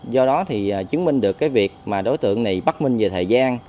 do đó thì chứng minh được cái việc mà đối tượng này bất minh về thời gian